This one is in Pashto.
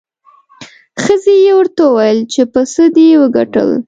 ښځې یې ورته وویل چې په څه دې وګټل؟